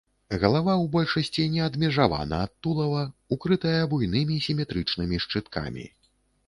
Галава ў большасці не адмежавана ад тулава, укрытая буйнымі сіметрычнымі шчыткамі.